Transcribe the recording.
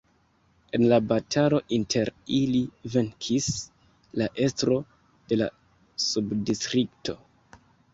En la batalo inter ili venkis la estro de la subdistrikto.